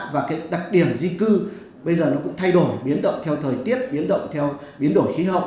và cái đặc điểm di cư bây giờ nó cũng thay đổi biến động theo thời tiết biến động theo biến đổi khí hậu